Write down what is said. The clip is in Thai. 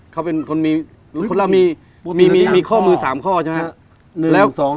เขาเป็นคนมีคนเรามีมีมีมีข้อมือสามข้อใช่ไหมหนึ่งสอง